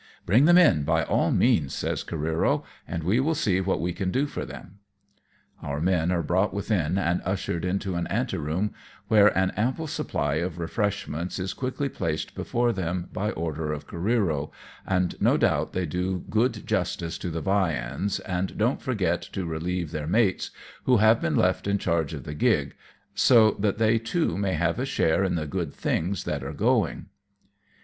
" Bring them in by all means," says Careero, " and we will see what we can do for them." Our men are brought within and ushered into an ante room, where an ample supply of refreshments is quickly placed before them by order of Careero, and no doubt they do good justice to the viands, and don't forget to relieve their mates, who have been left in charge of the gig, so that they too may have a share in the good things that are going.